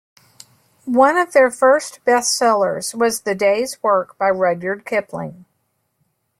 One of their first bestsellers was "The Day's Work" by Rudyard Kipling.